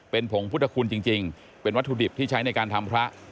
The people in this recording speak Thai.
เป็นผงพุทธคุณจริงเป็นวัตถุดิบที่ใช้ในการทำพระ